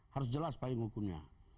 harus jelas payung hukumnya